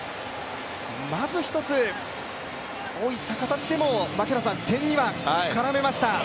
まず１つ、どういった形でも槙原さん、点には絡めました。